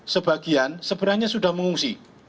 sebagian sebenarnya sudah mengungsi